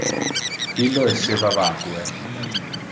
Illo esseva vacue.